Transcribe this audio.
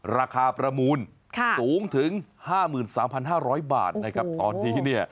ราคาประมูลสูงถึง๕๓๕๐๐บาทนะครับตอนนี้เนี่ย